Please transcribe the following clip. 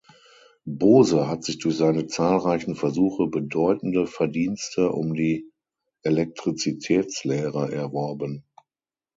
Bose hat sich durch seine zahlreichen Versuche bedeutende Verdienste um die Elektrizitätslehre erworben.